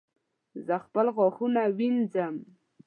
زه خپل غاښونه وینځم